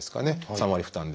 ３割負担で。